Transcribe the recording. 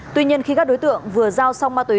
tuy nhiên khi các đối tượng vừa giao xong ma túy